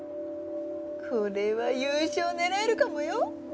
これは優勝狙えるかもよ！